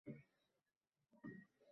Bu kun menga bermoqda azob